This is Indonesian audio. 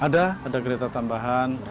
ada ada kereta tambahan